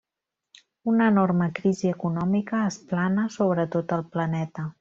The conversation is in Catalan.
Una enorme crisi econòmica es plana sobretot el planeta.